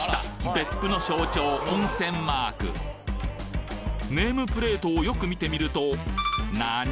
別府の象徴温泉マークネームプレートをよく見てみるとなに？